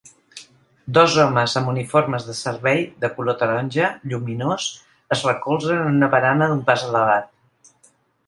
Dos homes amb uniformes de servei de color taronja lluminós es recolzen en una barana d'un pas elevat